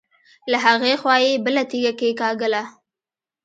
له هغې خوا يې بله تيږه کېکاږله.